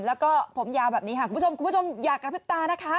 แล้วก็ผมยาวแบบนี้ค่ะคุณผู้ชมคุณผู้ชมอย่ากระพริบตานะคะ